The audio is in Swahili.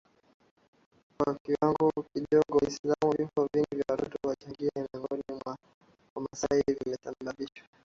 na kwa kiwango kidogo WaislamuVifo vingi vya watoto wachanga miongoni mwa Wamasai vimesababisha